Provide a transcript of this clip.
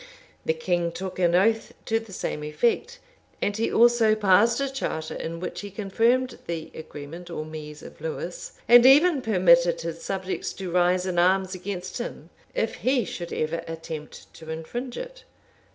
[] The king took an oath to the same effect, and he also passed a charter in which he confirmed the agreement or Mise of Lewes; and even permitted his subjects to rise in arms against him, if he should ever attempt to infringe it.